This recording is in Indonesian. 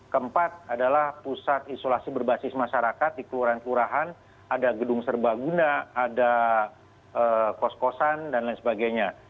keempat adalah pusat isolasi berbasis masyarakat di kelurahan kelurahan ada gedung serbaguna ada kos kosan dan lain sebagainya